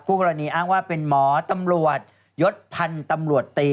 กรณีอ้างว่าเป็นหมอตำรวจยศพันธุ์ตำรวจตี